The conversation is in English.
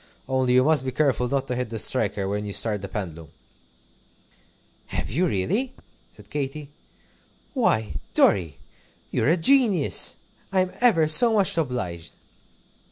Only you must be careful not to hit the striker when you start the pendulum." "Have you, really?" said Katy. "Why, Dorry, you're a genius! I'm ever so much obliged."